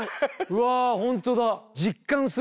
うわホントだ。